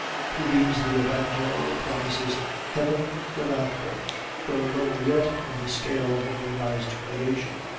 To these the Evangel promises heaven hereafter. Go lower yet in the scale of organized creation.